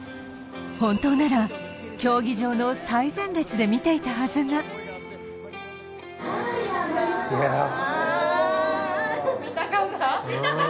本当なら競技場の最前列で見ていたはずがいや見たかった？